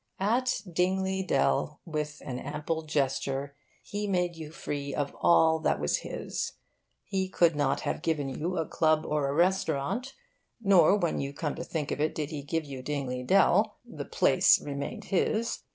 At Dingley Dell, with an ample gesture, he made you free of all that was his. He could not have given you a club or a restaurant. Nor, when you come to think of it, did he give you Dingley Dell. The place remained his.